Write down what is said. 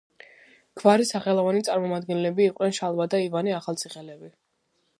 გვარის სახელოვანი წარმომადგენლები იყვნენ შალვა და ივანე ახალციხელები.